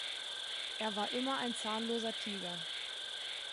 Er war immer ein zahnloser Tiger.